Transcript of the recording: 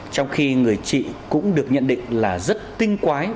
trong khi người chị cũng được nhận định là rất tinh quái